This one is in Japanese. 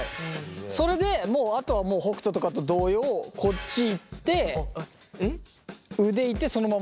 それでもうあとはもう北斗とかと同様こっちいって腕いってそのままこっちっすね。